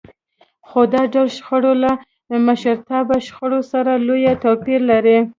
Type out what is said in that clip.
خو دا ډول شخړې له مشرتابه شخړو سره لوی توپير لري.